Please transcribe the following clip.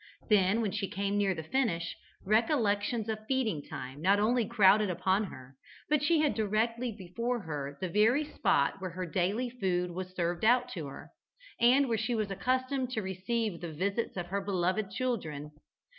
Then, when she came near to the finish, recollections of feeding time not only crowded upon her, but she had directly before her the very spot where her daily food was served out to her, and where she was accustomed to receive the visits of her beloved children.